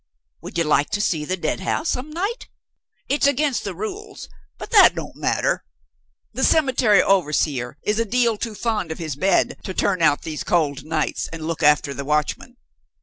Would you like to see the Deadhouse, some night? It's against the rules; but that don't matter. The cemetery overseer is a deal too fond of his bed to turn out these cold nights and look after the watchman.